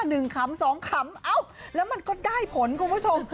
ขำสองขำเอ้าแล้วมันก็ได้ผลคุณผู้ชม